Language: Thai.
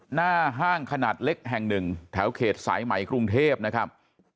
หน้าห้างขนาดเล็กแห่งหนึ่งแถวเขตสายไหมกรุงเทพนะครับ